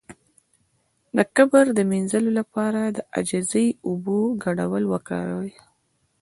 د کبر د مینځلو لپاره د عاجزۍ او اوبو ګډول وکاروئ